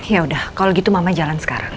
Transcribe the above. yaudah kalau gitu mama jalan sekarang